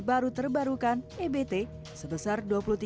baru terbarukan ebt sebesar